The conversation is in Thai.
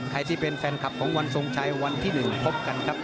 ใครที่เป็นแฟนคลับของวันที่๑พบกันครับ